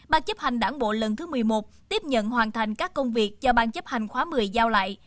ban chấp hành đảng bộ lần thứ một mươi một tiếp nhận hoàn thành các công việc do ban chấp hành khóa một mươi giao lại